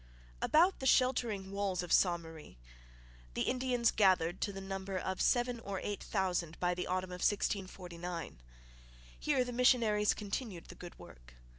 About the sheltering walls of Ste Marie the Indians gathered, to the number of seven or eight thousand by the autumn of 1649. Here the missionaries continued the good work.